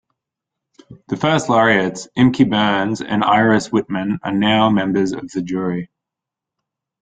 The first laureats, Imke Bruns and Iris Wittmann are now members of the jury.